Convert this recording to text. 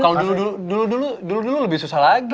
kalau dulu dulu lebih susah lagi